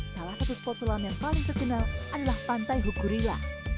salah satu spot selam yang paling terkenal adalah pantai hugurila